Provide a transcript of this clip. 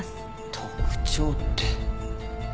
特徴って。